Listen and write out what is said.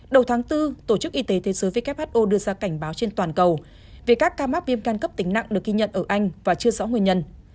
đầu tháng bốn tổ chức y tế thế giới who đưa ra cảnh báo trên toàn cầu về các ca mắc viêm gan cấp tính nặng được ghi nhận ở anh và chưa rõ nguyên nhân